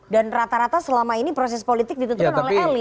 dan rata rata selama ini proses politik ditentukan oleh elit